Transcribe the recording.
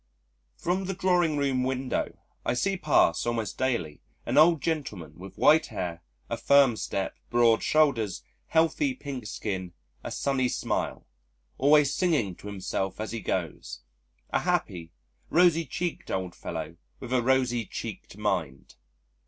From the drawing room window I see pass almost daily an old gentleman with white hair, a firm step, broad shoulders, healthy pink skin, a sunny smile always singing to himself as he goes a happy, rosy cheeked old fellow, with a rosy cheeked mind....